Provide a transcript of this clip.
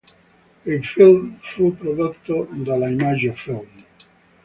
Il film fu prodotto dalla Imago Film.